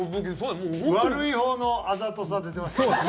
悪い方のあざとさ出てましたよ。